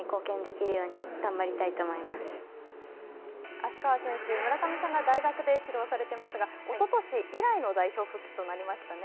芦川選手、村上さんが大学で指導されていますが、おととし以来の代表復帰となりましたね。